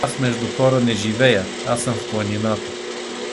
Аз между хора не живея, аз съм в планината.